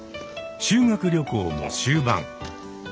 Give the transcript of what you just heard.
修学旅行も終盤。